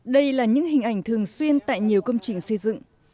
đây là những hình ảnh thường xuyên tại nhiều công trình xây dựng